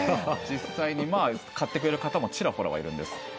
実際に買ってくれる方もちらほらはいるんです。